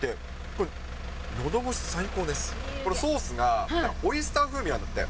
これソースが、オイスター風味なんだって。